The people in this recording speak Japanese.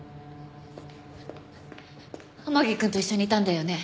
天樹くんと一緒にいたんだよね？